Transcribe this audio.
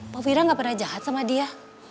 pak fira gak pernah jahat sama dia